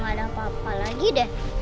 gak ada apa apa lagi deh